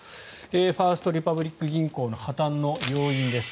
ファースト・リパブリック銀行の破たんの要因です。